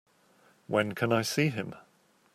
When can I see him?